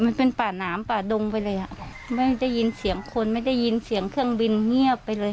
มันเป็นป่าน้ำป่าดงไปเลยอ่ะไม่ได้ยินเสียงคนไม่ได้ยินเสียงเครื่องบินเงียบไปเลย